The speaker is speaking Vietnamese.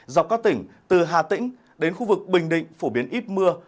dọc các tỉnh từ hà tĩnh đến khu vực bình định phổ biến ít mưa